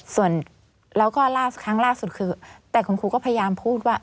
ส่วนแล้วก็ครั้งล่าสุดคือแต่คุณครูก็พยายามพูดว่า